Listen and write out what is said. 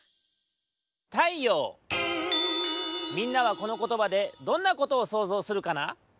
みんなはこのことばでどんなことをそうぞうするかな？